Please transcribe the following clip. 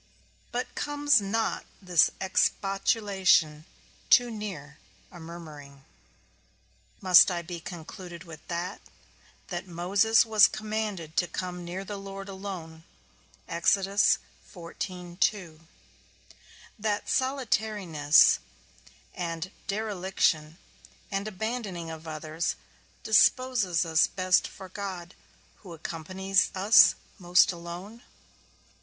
But comes not this expostulation too near a murmuring? Must I be concluded with that, that Moses was commanded to come near the Lord alone; that solitariness, and dereliction, and abandoning of others, disposes us best for God, who accompanies us most alone?